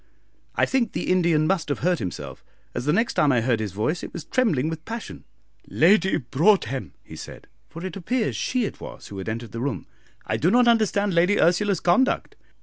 I think the Indian must have hurt himself, as the next time I heard his voice it was trembling with passion. "Lady Broadhem," he said for it appears she it was who had entered the room "I do not understand Lady Ursula's conduct.